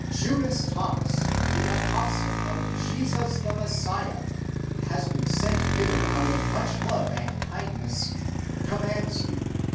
Judas Thomas, the apostle of Jesus the Messiah, who has been sent hither out of much love and kindness, commands you.